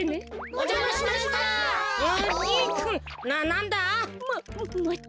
おじゃましました。